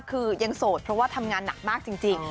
คือยังโสดเพราะว่าทำงานหนักมากจริง